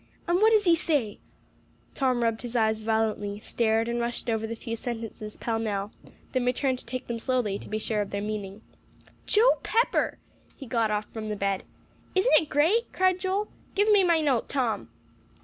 And what does he say?" Tom rubbed his eyes violently, stared, and rushed over the few sentences pellmell; then returned to take them slowly to be sure of their meaning. "Joe Pepper!" He got off from the bed. "Isn't it great!" cried Joel. "Give me my note, Tom."